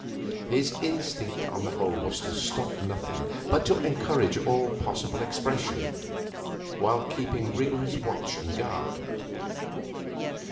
His instinct on the whole was to stop nothing, but to encourage all possible expression, while keeping rigorous watch and guard.